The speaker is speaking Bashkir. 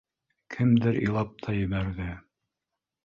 Кемдер илап та ебәрҙе.